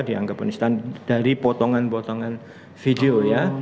dianggap penistan dari potongan potongan video ya